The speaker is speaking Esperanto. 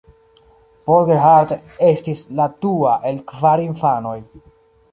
Paul Gerhardt estis la dua el kvar infanoj.